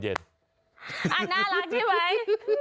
อ่าน่ารักใช่มั้ย